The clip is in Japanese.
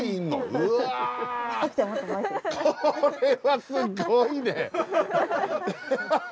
うわこれはすごいね。